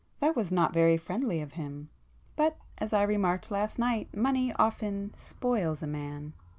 That was not very friendly of him—but as I remarked last night, money often spoils a man."